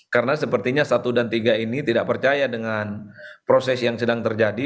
karena sepertinya satu dan tiga ini tidak percaya dengan proses yang sedang terjadi